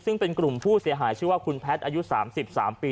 ซึ่งเป็นกลุ่มผู้เสียหายชื่อว่าคุณแพทย์อายุ๓๓ปี